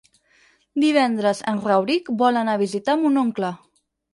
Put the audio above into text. Divendres en Rauric vol anar a visitar mon oncle.